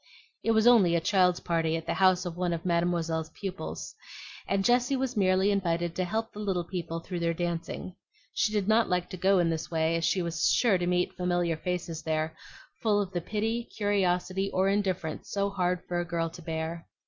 It was only a child's party at the house of one of Mademoiselle's pupils, and Jessie was merely invited to help the little people through their dancing. She did not like to go in this way, as she was sure to meet familiar faces there, full of the pity, curiosity, or indifference so hard for a girl to bear.